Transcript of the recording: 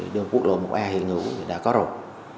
đường quốc độ một a hiện ngữ đã có rồi